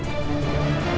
jangan pak landung